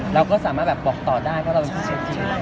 เราก็สามารถปอกต่อได้เพราะเราเป็นใคร